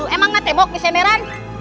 emang gak tembok di semeran